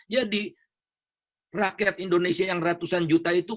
jadi rakyat indonesia yang ratusan juta itu